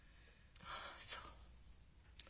ああそう。